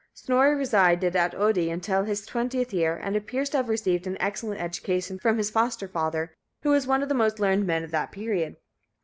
Snorre resided at Oddi until his twentieth year, and appears to have received an excellent education from his foster father, who was one of the most learned men of that period.